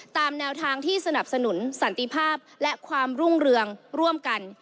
ตามแนวทางที่สนับสนุนสันติภาพและความรุ่งเรืองร่วมกัน